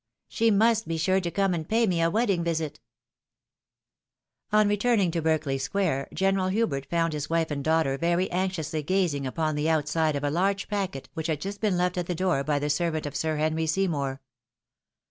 She must be sure to come and pay me a wedding visit." *,On returning to Berkeley square, General Hubert found his wife and daughter very anxiously gazing upon the outside of a large packet which had been just left at the door by the servant of Sir Henry Seymour.